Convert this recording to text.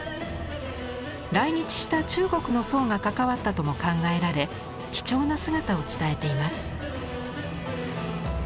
来日した中国の僧が関わったとも考えられ貴重な姿を伝えています。